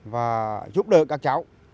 và giúp đỡ các cháu